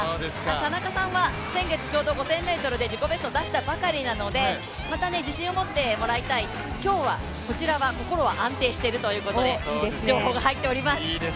田中さんは先月、ちょうど５０００ｍで自己ベストを出したばかりなのでまた自信を持ってもらいたい、今日はこちらは心葉安定しているという情報が入っております。